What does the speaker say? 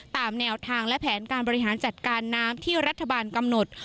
ตามแนวทางและแผนการบริหารจัดการน้ำที่รัฐบาลกำหนด